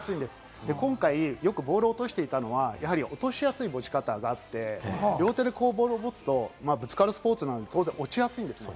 今回よくボール落としていたのは、落としやすい持ち方があって、両手でボールを持つと、ぶつかるスポーツなので、落ちやすいんですね。